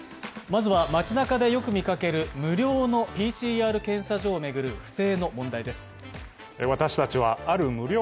まずは街なかでよく見かける無料のＰＣＲ検査所を巡る私たちはある無料